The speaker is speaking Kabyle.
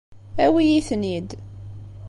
Awi-yi-ten-id.